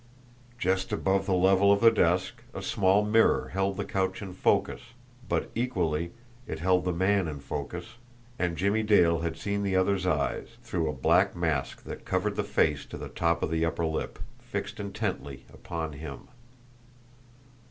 Just above the level of the desk, a small mirror held the couch in focus but, equally, it held the man in focus, and Jimmie Dale had seen the other's eyes, through a black mask that covered the face to the top of the upper lip, fixed intently upon him.